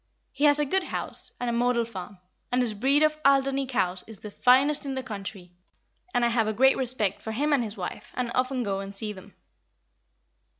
He has a good house, and a model farm, and his breed of Alderney cows is the finest in the country; and I have a great respect for him and his wife, and often go and see them."